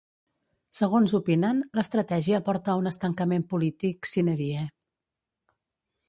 Segons opinen, l’estratègia porta a un estancament polític ‘sine die’.